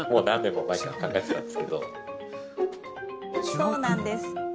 そうなんです。